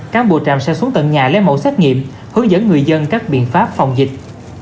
cán bộ trạm sẽ xuống tận nhà lấy mẫu xét nghiệm hướng dẫn người dân các biện pháp phòng dịch